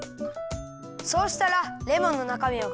そうしたらレモンのなかみをかきだすよ。